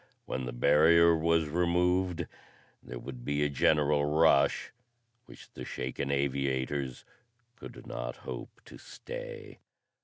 When the barrier was removed there would be a general rush which the shaken aviators could not hope to stay.